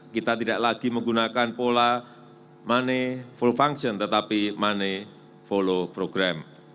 kita tidak lagi menggunakan pola money full function tetapi money follow program